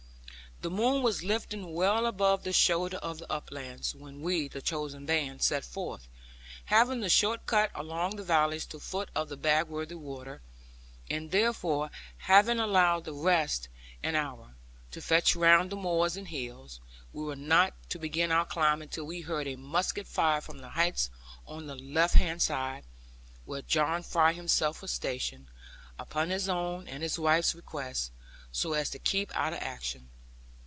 The moon was lifting well above the shoulder of the uplands, when we, the chosen band, set forth, having the short cut along the valleys to foot of the Bagworthy water; and therefore having allowed the rest an hour, to fetch round the moors and hills; we were not to begin our climb until we heard a musket fired from the heights on the left hand side, where John Fry himself was stationed, upon his own and his wife's request; so as to keep out of action.